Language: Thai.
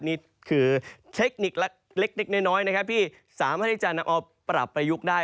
นี่คือเทคนิคเล็กน้อยนะครับที่สามารถที่จะนำเอาปรับประยุกต์ได้